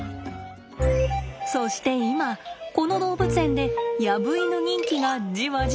そして今この動物園でヤブイヌ人気がじわじわ上昇しています。